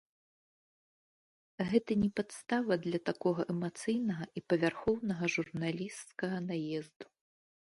Гэта не падстава для такога эмацыйнага і павярхоўнага журналісцкага наезду.